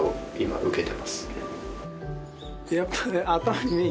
やっぱね。